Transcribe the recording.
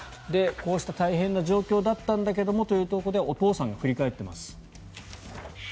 こうした大変な状況だったんだけどもお父さんが振り返っています。